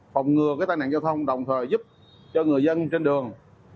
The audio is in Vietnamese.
phòng ngừa tai nạn giao thông đồng thời giúp cho người dân trên đường